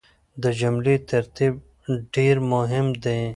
د جملې ترتيب ډېر مهم دی.